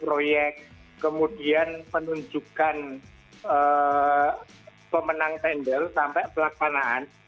pertama kemudian penunjukkan pemenang tender sampai belakmanaan